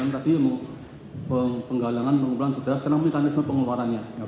tadi penggalangan pengumpulan sudah sekarang mekanisme pengeluarannya